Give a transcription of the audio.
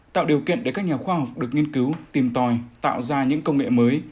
tạo điều kiện để các nhà khoa học được nghiên cứu tìm tòi tạo ra những công nghệ mới